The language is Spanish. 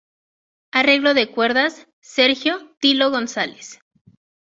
Arreglo de cuerdas: Sergio "Tilo" González.